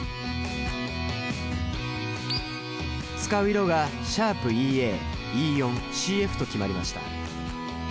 使う色が「♯ＥＡＥ４ＣＦ」と決まりました。